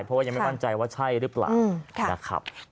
เพราะว่ายังไม่มั่นใจว่าใช่หรือเปล่านะครับ